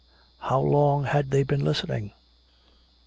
How long had they been listening?